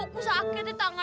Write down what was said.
aku sakit ya tangan